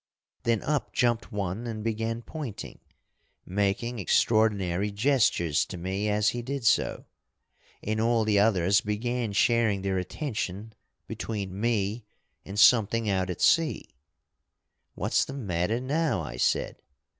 "Then up jumped one and began pointing, making extraordinary gestures to me as he did so, and all the others began sharing their attention between me and something out at sea. 'What's the matter now?' I said.